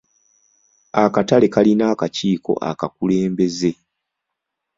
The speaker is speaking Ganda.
Akatale kalina akakiiko akakulembeze.